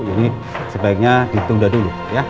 jadi sebaiknya ditunda dulu